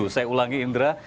saya ulangi indra